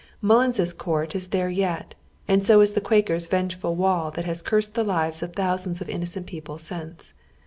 Mnllins's Court is there yet, and so is the Quaker's vengeful wall that has cuised the lives of thousands of innocent people since.